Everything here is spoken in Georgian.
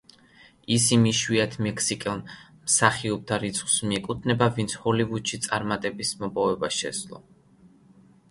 ის იმ იშვიათ მექსიკელ მსახიობთა რიცხვს მიეკუთვნება, ვინც ჰოლივუდში წარმატების მოპოვება შეძლო.